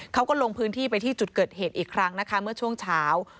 เขาก็ลงพื้นที่ไปที่จุดเกิดเหตุอีกครั้งนะคะเมื่อช่วงเช้า